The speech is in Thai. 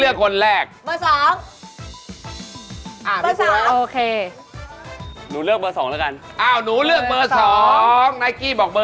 เอาไงโอน้อยออกไป